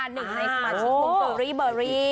หนึ่งสมชงบริเบอร์รี